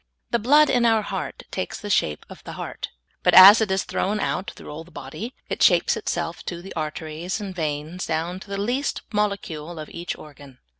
The blood in our heart takes the shape of the heart, but as it is thrown out through all the bod}^ it shapes itself to the arteries and veins down to the least mole cule of each organ.